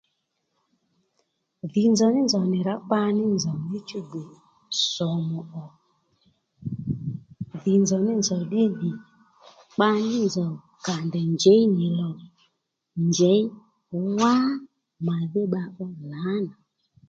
Dhì nzòw ní nzòw nì rǎ kpaní nzòw ní chú gbè sòmù ò dhì nzòw ní nzòw ddí dhì kpa ní nzòw kà ndèy njěy nì lò njěy ŋá màdhí bba ó lǎnà